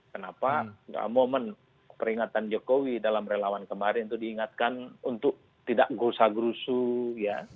kenapa momen peringatan jokowi dalam relawan kemarin itu diingatkan untuk tidak gosah grusuh